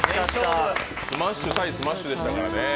スマッシュ対スマッシュでしたからね。